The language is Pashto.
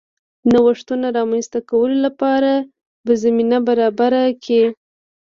د نوښتونو رامنځته کولو لپاره به زمینه برابره کړي